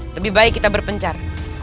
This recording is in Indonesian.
lebih baik kita berpencar